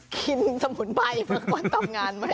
กินสมุนไบเมื่อก่อนตามงาน